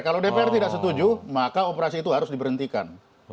kalau dpr tidak setuju maka operasi itu harus diberhentikan